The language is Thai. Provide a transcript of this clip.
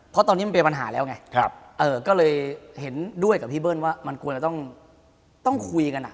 เพราะตอนนี้มันเป็นปัญหาแล้วไงก็เลยเห็นด้วยกับพี่เบิ้ลว่ามันควรจะต้องคุยกันอ่ะ